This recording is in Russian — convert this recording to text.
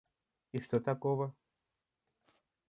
И что такого?